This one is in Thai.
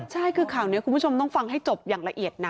ใช่คือข่าวนี้คุณผู้ชมต้องฟังให้จบอย่างละเอียดนะ